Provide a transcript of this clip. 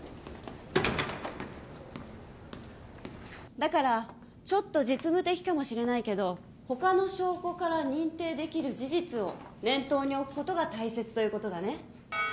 だからちょっと実務的かもしれないけど他の証拠から認定できる事実を念頭に置くことが大切ということだね。